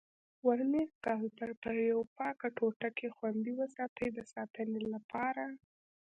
ورنیز کالیپر پر یوه پاکه ټوټه کې خوندي وساتئ د ساتنې لپاره.